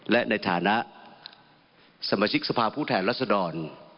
และในฐานะสมาชิกสภาพผู้แทนรัศดร